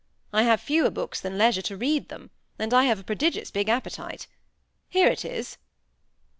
I have fewer books than leisure to read them, and I have a prodigious big appetite. Here it is."